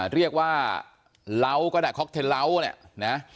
เรียกว่าล้าวก็ได้ค็อกเทนเว้านะ